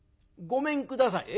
ごめんください」。